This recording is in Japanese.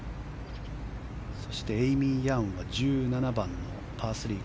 エイミー・ヤンは１７番のパー３。